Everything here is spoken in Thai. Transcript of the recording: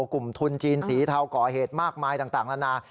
กลุ่มทุนจีนสีเทาก่อเหตุมากมายต่างนานา